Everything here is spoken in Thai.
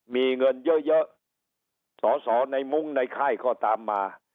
มีเงินเยอะสอในมุงในค่ายเขาตามมา